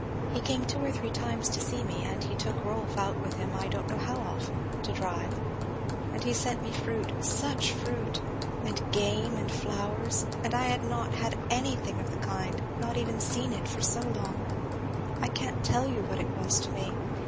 He came two or three times to see me and he took Rolf out with him I don't know how often, to drive; and he sent me fruit such fruit! and game, and flowers; and I had not had anything of the kind, not even seen it, for so long I can't tell you what it was to me.